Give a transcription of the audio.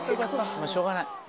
しょうがない